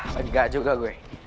pegang juga gue